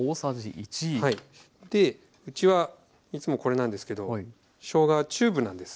でうちはいつもこれなんですけどしょうがはチューブなんです。